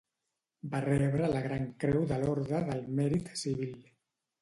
Va rebre la Gran Creu de l'Orde del Mèrit Civil.